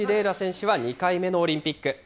楽選手は２回目のオリンピック。